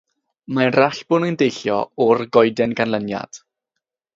Mae'r allbwn yn deillio o'r goeden ganlyniad.